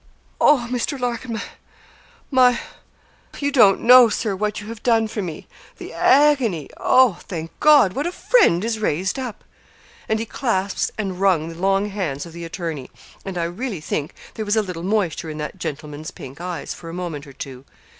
'Oh, Mr. Larkin my my you don't know, Sir, what you have done for me the agony oh, thank God! what a friend is raised up.' And he clasped and wrung the long hands of the attorney, and I really think there was a little moisture in that gentleman's pink eyes for a moment or two.